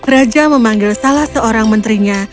raja memanggil salah seorang menterinya